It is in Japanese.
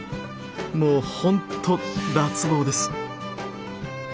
もう本当脱帽です。